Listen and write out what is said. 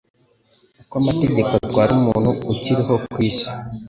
uko amategeko atwara umuntu akiriho kwi isi